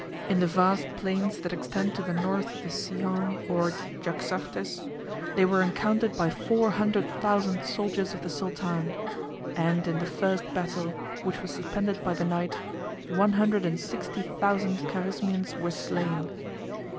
In the vast plains that extend to the north of the Sihon or Jaxartes, they were encountered by four hundred thousand soldiers of the sultan; and in the first battle, which was suspended by the night, one hundred and sixty thousand Carizmians were slain.